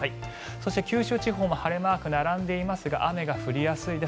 そして九州地方も晴れマークが並んでいますが雨が降りやすいです。